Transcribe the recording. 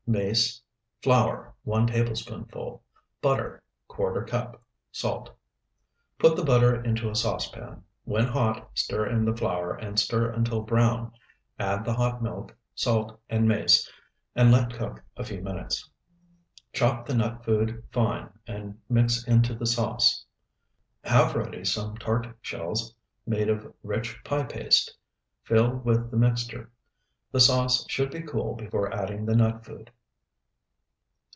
Mace. Flour, 1 tablespoonful. Butter, ¼ cup. Salt. Put the butter into a saucepan; when hot stir in the flour, and stir until brown; add the hot milk, salt, and mace, and let cook a few minutes. Chop the nut food fine and mix into the sauce. Have ready some tart shells made of rich pie paste; fill with the mixture. The sauce should be cool before adding the nut food.